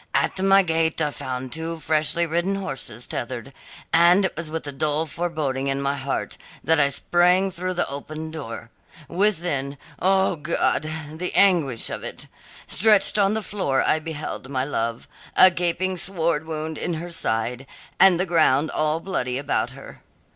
At my gate I found two freshly ridden horses tethered, and it was with a dull foreboding in my heart that I sprang through the open door. Within O God, the anguish of it! stretched on the floor I beheld my love, a gaping sword wound in her side, and the ground all bloody about her.